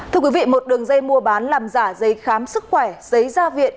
thưa quý vị một đường dây mua bán làm giả dây khám sức khỏe dây gia viện